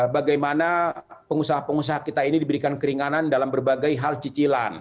bagaimana pengusaha pengusaha kita ini diberikan keringanan dalam berbagai hal cicilan